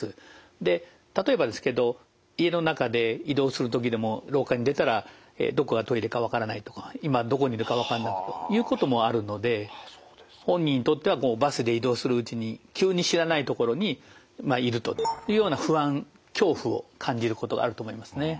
で例えばですけど家の中で移動する時でも廊下に出たらどこがトイレかわからないとか今どこにいるかわかんないということもあるので本人にとってはバスで移動するうちに急に知らないところにいるというような不安恐怖を感じることがあると思いますね。